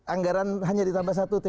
anggaran hanya ditambah satu tp